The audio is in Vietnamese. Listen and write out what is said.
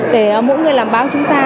để mỗi người làm báo chúng ta